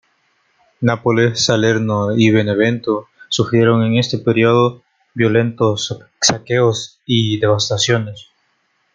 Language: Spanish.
Nápoles, Salerno y Benevento sufrieron en este periodo violentos saqueos y devastaciones.